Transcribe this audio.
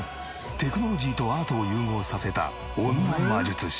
テクノロジーとアートを融合させた女魔術師。